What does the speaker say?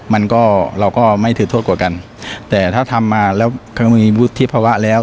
มันก็เราก็ไม่ถือโทษกว่ากันแต่ถ้าทำมาแล้วเขามีวุฒิภาวะแล้ว